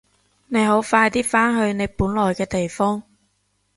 你好快啲返去你本來嘅地方！